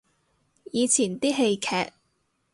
以前啲戲劇